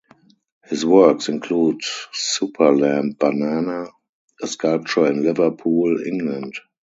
His works include SuperLambBanana, a sculpture in Liverpool, England.